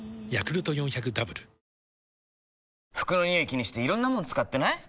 気にしていろんなもの使ってない？